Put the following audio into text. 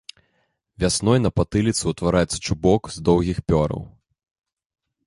Вясной на патыліцы ўтвараецца чубок з доўгіх пёраў.